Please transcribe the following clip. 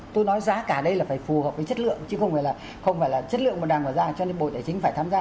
tôi nói giá cả đây là phải phù hợp với chất lượng chứ không phải là chất lượng mà đàn quả ra cho nên bộ tài chính phải tham gia